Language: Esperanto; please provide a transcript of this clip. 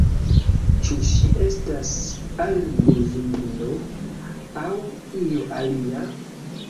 Ĉu ŝi estas almozulino, aŭ io alia?